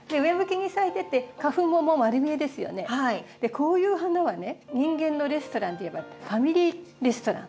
こういう花はね人間のレストランでいえばファミリーレストラン。